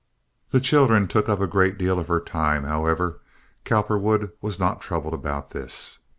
The children took up a great deal of her time. However, Cowperwood was not troubled about this.